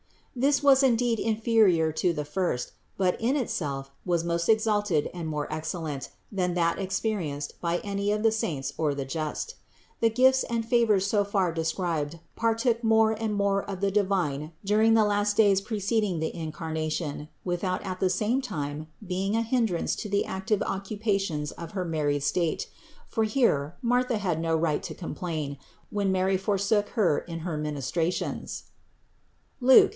This was indeed inferior to the first, but in itself was most exalted and more excel lent than that experienced by any of the saints or the just. The gifts and favors so far described partook more and more of the divine during the last days preceding the Incarnation, without at the same time being a hindrance to the active occupations of her married state, for here Martha had no right to complain, that Mary forsook her in her ministrations (Luc.